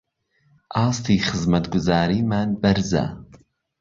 ئاستی خزمەتگوزاریمان بەرزە